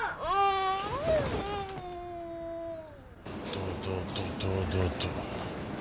堂々と堂々と。